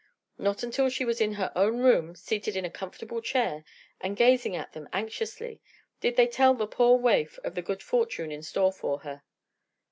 Not until she was in her own room, seated in a comfortable chair and gazing at them anxiously, did they tell the poor waif of the good fortune in store for her.